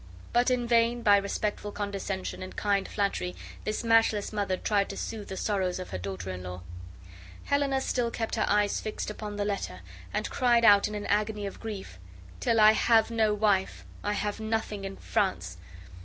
But in vain by respectful condescension and kind flattery this matchless mother tried to soothe the sorrows of her daughter in law. Helena still kept her eyes fixed upon the letter, and cried out in an agony of grief, "TILL I HAVE NO WIFE, I HAVE NOTHING IN FRANCE."